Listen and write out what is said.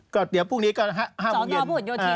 ก็เดี๋ยวพรุ่งนี้ก็๕โมงเย็นสารนอบบุญโยทิน